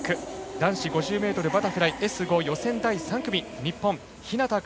男子５０ｍバタフライＳ５予選第３組日本日向楓